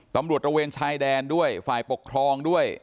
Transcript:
ตะเวนชายแดนด้วยฝ่ายปกครองด้วย